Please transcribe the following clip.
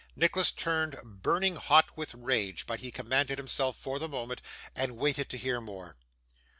Nicholas turned burning hot with rage, but he commanded himself for the moment, and waited to hear more.